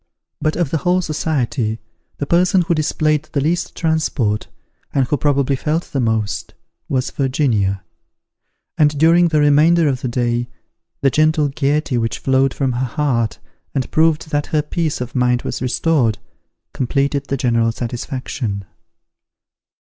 But of the whole society, the person who displayed the least transport, and who probably felt the most, was Virginia; and during the remainder of the day, the gentle gaiety which flowed from her heart, and proved that her peace of mind was restored, completed the general satisfaction.